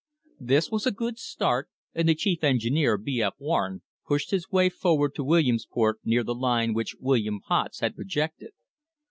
This was a good start, and the chief engineer, B. F. Warren, pushed his way forward to Wil liamsport near the line which Colonel Potts had projected.